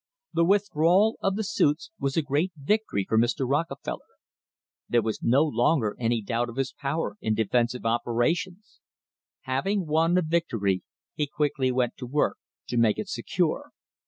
The withdrawal of the suits was a great victory for Mr. Rockefeller. There was no longer any doubt of his power in defensive operations. Having won a victory, he quickly went to work to make it secure.